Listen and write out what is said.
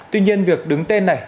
tuy nhiên việc đứng tên này